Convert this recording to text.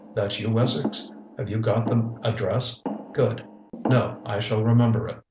That you, Wessex? Have you got the address? Good. No, I shall remember it.